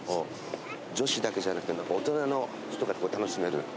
女子だけじゃなくて大人の人が楽しめる。